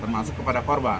termasuk kepada korban